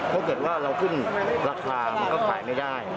ถ้าเกิดว่าเราขึ้นราคามันก็ขายไม่ได้